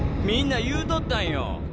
みんな言うとったんよ。